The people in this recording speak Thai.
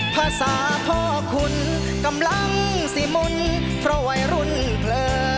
ภาษาพ่อคุณกำลังสิมนต์เพราะวัยรุ่นเผลอ